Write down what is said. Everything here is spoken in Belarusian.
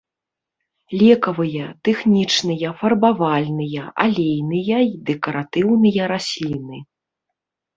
Лекавыя, тэхнічныя, фарбавальныя, алейныя і дэкаратыўныя расліны.